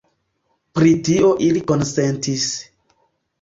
Pri tio ili konsentis.